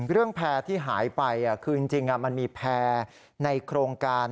แพร่ที่หายไปคือจริงมันมีแพร่ในโครงการ